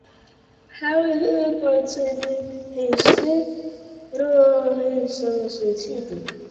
Here he produced his "Ciro riconosciuto".